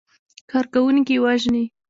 کارکوونکي وژني.